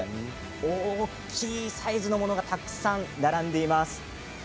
大きいサイズのものがたくさん並んでいます。